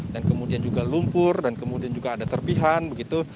dan kemudian juga lumpur dan kemudian juga ada serpian begitu